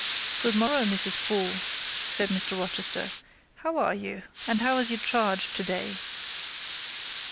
"Good morrow, Mrs. Poole!" said Mr. Rochester. "How are you? and how is your charge to day?"